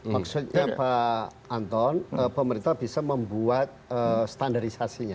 maksudnya pak anton pemerintah bisa membuat standarisasi nya